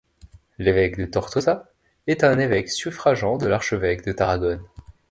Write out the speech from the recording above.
L'évêque de Tortosa est un évêque suffragant de l'Archevêque de Tarragone.